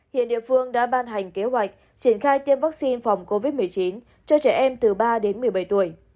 hiện địa phương đã ban hành kế hoạch triển khai tiêm vaccine phòng covid một mươi chín cho trẻ em từ ba đến một mươi bảy tuổi